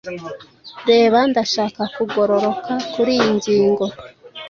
Reba, ndashaka kugororoka kuriyi ngingo.